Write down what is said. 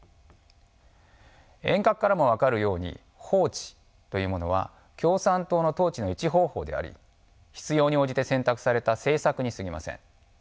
沿革からも分かるように法治というものは共産党の統治の一方法であり必要に応じて選択された政策に過ぎません。